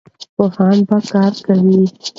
پوهان به کار کاوه.